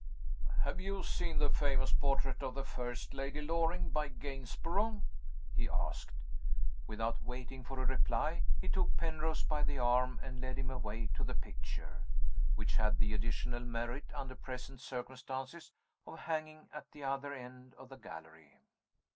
"Have you seen the famous portrait of the first Lady Loring, by Gainsborough?" he asked. Without waiting for a reply, he took Penrose by the arm, and led him away to the picture which had the additional merit, under present circumstances, of hanging at the other end of the gallery.